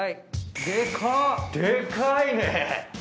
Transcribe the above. でかいね！